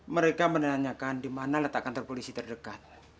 mereka menanyakan di mana letak kantor polisi terdekat